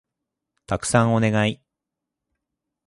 たくさんお願い